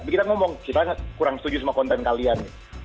tapi kita ngomong kita kurang setuju sama konten kalian